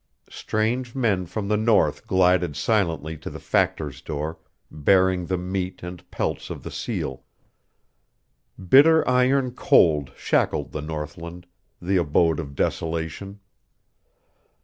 Strange men from the North glided silently to the Factor's door, bearing the meat and pelts of the seal. Bitter iron cold shackled the northland, the abode of desolation.